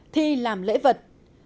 thi làm lễ vật